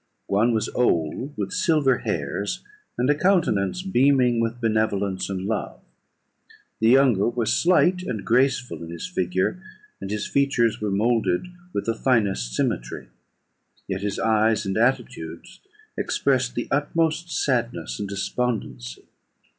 One was old, with silver hairs and a countenance beaming with benevolence and love: the younger was slight and graceful in his figure, and his features were moulded with the finest symmetry; yet his eyes and attitude expressed the utmost sadness and despondency.